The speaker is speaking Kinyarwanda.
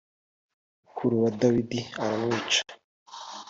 mukuru wa dawidi aramwica